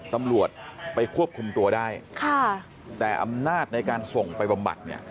ตำรวจไปควบคุมตัวได้ค่ะแต่อำนาจในการส่งไปบำบัดเนี่ย